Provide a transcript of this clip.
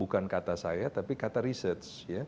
bukan kata saya tapi kata research